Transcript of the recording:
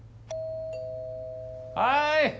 はい。